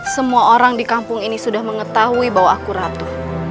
semua orang di kampung ini sudah mengetahui bahwa aku ratu